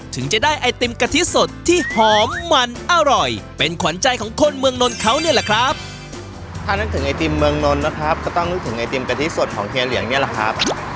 ถ้านั่งถึงไอติมเมืองนลนะครับก็ต้องนึกถึงไอติมกะทิสดของเฮียเหลียงเนี่ยแหละครับ